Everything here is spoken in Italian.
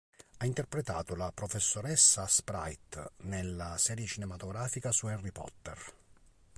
Ha interpretato la professoressa Sprite nella serie cinematografica su Harry Potter.